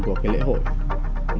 của cái lễ hội hoa gạo xã tam sơn